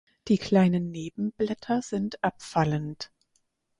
Die kleinen Nebenblätter sind abfallend.